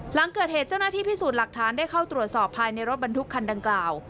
หลังเกิดเหตุเจ้าหน้าที่พิสูจน์หลักฐานได้เข้าตรวจสอบภายในรถบรรทุกคันดังกล่าว